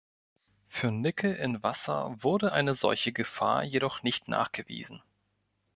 Für Nickel in Wasser wurde eine solche Gefahr jedoch nicht nachgewiesen.